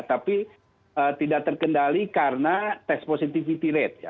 tapi tidak terkendali karena test positivity rate